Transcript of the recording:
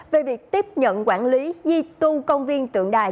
về việc tiếp nhận quản lý di tu công viên tượng đài